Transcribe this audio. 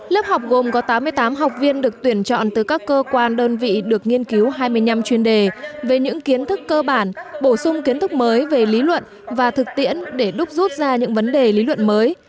lớp học gồm có tám mươi tám học viên được tuyển chọn từ các cơ quan đơn vị được nghiên cứu hai mươi năm chuyên đề về những kiến thức cơ bản bổ sung kiến thức mới về lý luận và thực tiễn để đúc rút ra những vấn đề lý luận mới